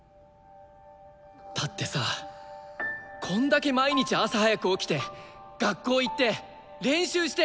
だってさこんだけ毎日朝早く起きて学校行って練習して！